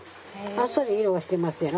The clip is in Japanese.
あっさり色がしてますやろ。